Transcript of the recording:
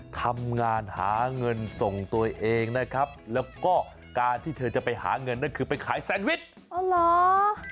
ทำงานหาเงินส่งตัวเองนะครับแล้วก็การที่เธอจะไปหาเงินนั่นคือไปขายแซนวิชอ๋อเหรอ